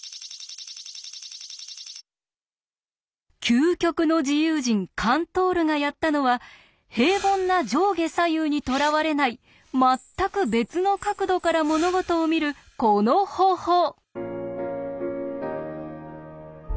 究極の自由人カントールがやったのは平凡な上下左右にとらわれないまったく別の角度から物事を見るこの方法！